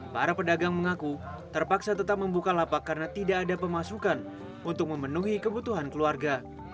para pedagang mengaku terpaksa tetap membuka lapak karena tidak ada pemasukan untuk memenuhi kebutuhan keluarga